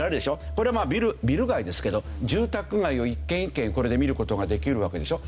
これビル街ですけど住宅街を一軒一軒これで見る事ができるわけでしょ。